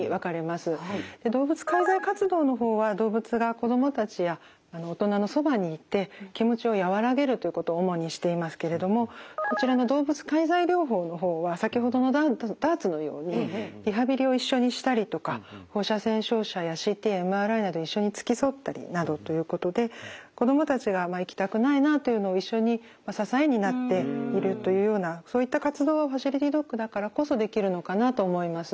動物介在活動の方は動物が子供たちや大人のそばにいて気持ちを和らげるということを主にしていますけれどもこちらの動物介在療法の方は先ほどのダーツのようにリハビリを一緒にしたりとか放射線照射やＣＴやＭＲＩなど一緒に付き添ったりなどということで子供たちが行きたくないなというのを一緒に支えになっているというようなそういった活動はファシリティドッグだからこそできるのかなと思います。